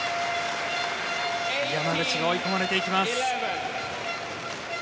山口が追い込まれていきます。